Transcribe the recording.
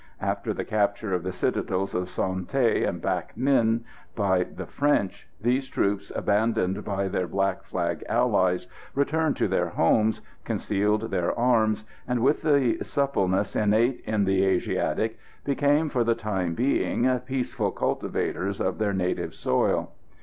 After the capture of the citadels of Son Tay and Bac Ninh by the French, these troops, abandoned by their Black Flag allies, returned to their homes, concealed their arms, and, with the suppleness innate in the Asiatic, became for the time being peaceful cultivators of their native soil.